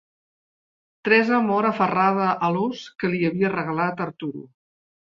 Teresa mor aferrada a l'ós que li havia regalat Arturo.